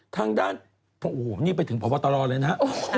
ทางด้านโอ้โหนี่ไปถึงพบตรเลยนะ